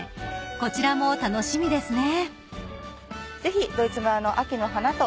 ［こちらも楽しみですね］